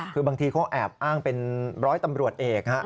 คือบางทีโฆ้งอ้างเป็นบร้อยตำรวจเอก